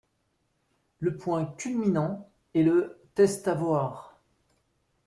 Le point culminant est le Testavoyre.